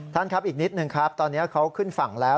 ท่านครับอีกนิดนึงครับตอนนี้เขาขึ้นฝั่งแล้ว